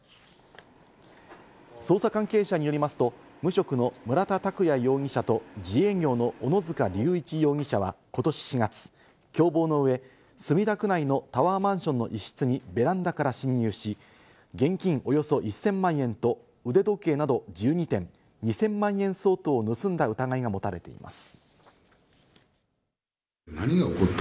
捜査関係者によりますと、無職の村田拓也容疑者と自営業の小野塚隆一容疑者はことし４月、共謀のうえ、墨田区内のタワーマンションの一室にベランダから侵入し、現金およそ１０００万円と腕時計など１２点２０００万円相当を盗んだ疑いが持たれています。